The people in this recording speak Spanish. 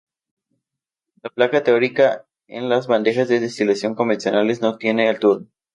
La placa teórica en las bandejas de destilación convencionales no tiene "altura".